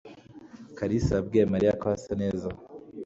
kalisa yabwiye mariya ko asa neza